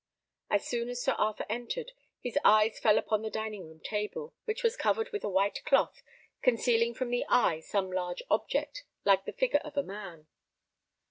As soon as Sir Arthur entered, his eyes fell upon the dining room table, which was covered with a white cloth, concealing from the eye some large object like the figure of a man.